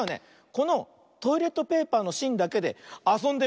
このトイレットペーパーのしんだけであそんでみるよ。